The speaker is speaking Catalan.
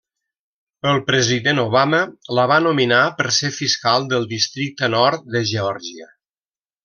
El president Obama la va nominar per ser fiscal del Districte Nord de Geòrgia.